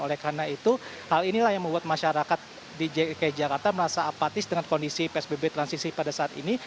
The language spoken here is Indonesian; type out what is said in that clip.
oleh karena itu hal inilah yang membuat masyarakat di dki jakarta merasa apatis dengan kondisi psbb transisi pada saat ini